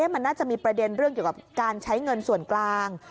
มันน่าจะมีประเด็นเรื่องเกี่ยวกับการใช้เงินส่วนกลาง